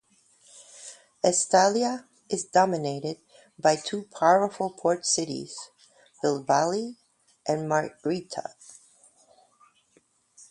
Estalia is dominated by two powerful port cities, Bilbali and Magritta.